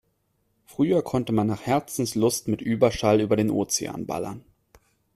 Früher konnte man nach Herzenslust mit Überschall über den Ozean ballern.